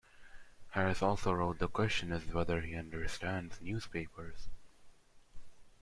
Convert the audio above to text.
Harris also wrote: The question is whether he understands newspapers.